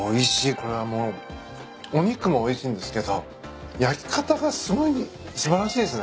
これはもうお肉もおいしいんですけど焼き方がすごい素晴らしいですね。